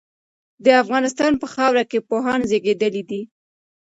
د افغانستان په خاوره کي پوهان زېږيدلي دي.